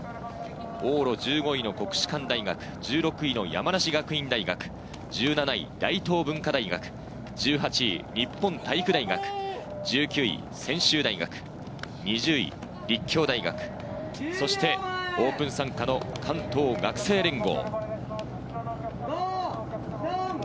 往路１５位の国士舘大学、１６位の山梨学院大学、１７位・大東文化大学、１８位・日本体育大学、１９位、専修大学、２０位・立教大学、そしてオープン参加の関東学生連合。